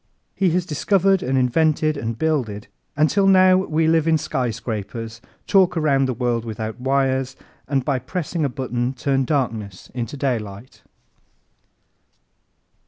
He has discovered and invented and builded until now we live in skyscrapers, talk around the world without wires and by pressing a button turn darkness into daylight.